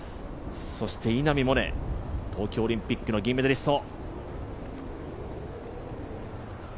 そして稲見萌寧、東京オリンピックの銀メダリスト。